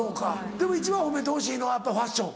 でも一番褒めてほしいのはやっぱファッション？